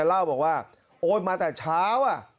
แล้วบอกว่าโอ๊ยมาแต่เช้า